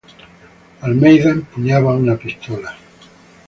Almeida empuña una pistola.